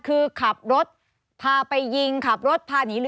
คือขับรถพาไปยิงขับรถพาหนีหรือ